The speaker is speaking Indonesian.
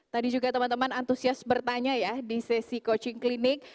tadi juga teman teman antusias bertanya ya di sesi coaching klinik